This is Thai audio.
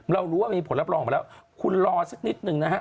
เรารู้ว่ามีผลรับรองออกมาแล้วคุณรอสักนิดนึงนะฮะ